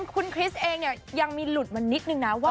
คุณคริสก็มีจะลดมานิดหนึ่ง